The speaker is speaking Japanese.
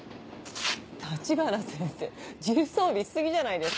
橘先生重装備し過ぎじゃないですか？